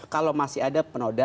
kalau masih ada penoda